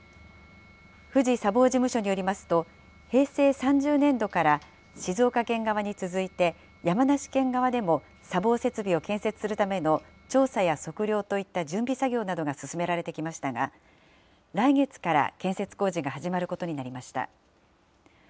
富士砂防事務所によりますと、平成３０年度から静岡県側に続いて、山梨県側でも砂防施設を建設するための調査や測量といった準備作業などが進められてきましたが、来月から建設工事が始まることになりました。